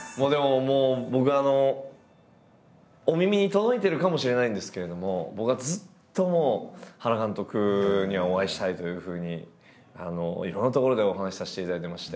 もう僕はお耳に届いてるかもしれないんですけれども僕はずっともう原監督にはお会いしたいというふうにいろんなところでお話しさせていただいてまして。